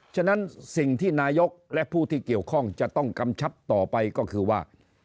ฉะนั้นสิ่งที่นายกและผู้ที่เกี่ยวข้องจะต้องกำชับต่อไปก็คือว่า